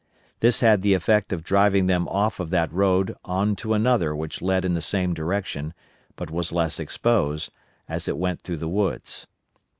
This had the effect of driving them off of that road on to another which led in the same direction, but was less exposed, as it went through the woods.